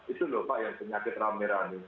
itu lho pak yang penyakit ramai ramai